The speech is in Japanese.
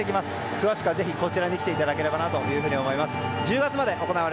詳しくは、ぜひこちらに来ていただければなと思います。